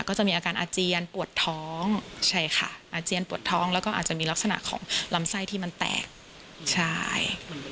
ก็จะมีอาการอาเจียนปวดท้องใช่ค่ะอาเจียนปวดท้องแล้วก็อาจจะมีลักษณะของลำไส้ที่มันแตกใช่